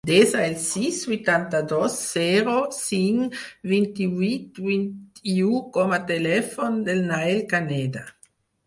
Desa el sis, vuitanta-dos, zero, cinc, vint-i-vuit, vint-i-u com a telèfon del Nael Caneda.